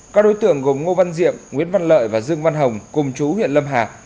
các đối tượng gồm ngô văn diệm nguyễn văn lợi và dương văn hồng cùng chú huyện lâm hà